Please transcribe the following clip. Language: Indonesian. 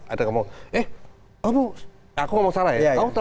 ada ngomong eh aku ngomong sarah ya